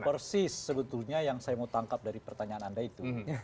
persis sebetulnya yang saya mau tangkap dari pertanyaan anda itu